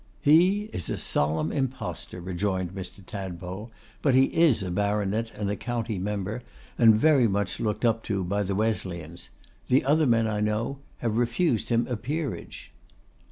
'He is a solemn impostor,' rejoined Mr. Tadpole; 'but he is a baronet and a county member, and very much looked up to by the Wesleyans. The other men, I know, have refused him a peerage.